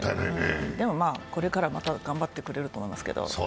でもまあ、これからまた頑張ってくれると思いますけど。